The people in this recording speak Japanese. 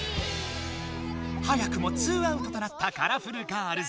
早くも２アウトとなったカラフルガールズ。